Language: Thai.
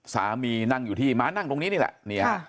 สามีนั่งอยู่ที่มานั่งตรงนี้นี่แหละ